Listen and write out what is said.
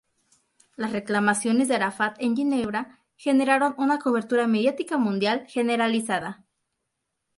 Las reclamaciones de Arafat en Ginebra generaron una cobertura mediática mundial generalizada.